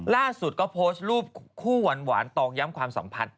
ล่าสุดก็โพสต์รูปคู่หวานตองย้ำความสัมพันธ์